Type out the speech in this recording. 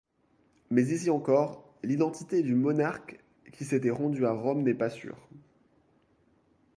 Mais ici encore, l'identité du monarque qui s'était rendu à Rome n'est pas sûre.